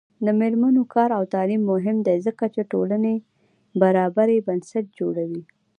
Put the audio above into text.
د میرمنو کار او تعلیم مهم دی ځکه چې ټولنې برابرۍ بنسټ جوړوي.